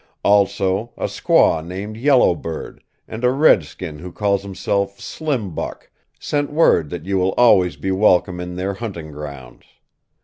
Also, a squaw named Yellow Bird, and a redskin who calls himself Slim Buck, sent word that you will always be welcome in their hunting grounds.